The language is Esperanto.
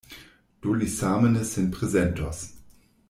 Do li same ne sin prezentos.